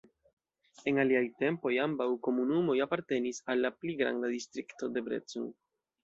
En aliaj tempoj ambaŭ komunumoj apartenis al la pli granda Distrikto Debrecen.